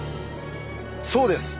そうです！